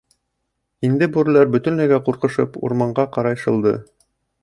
Инде бүреләр бөтөнләйгә ҡурҡышып урманға ҡарай шылды.